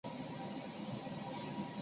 皎克西为该县之首府。